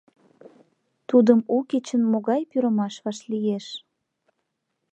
Тудым у кечын могай пӱрымаш вашлиеш?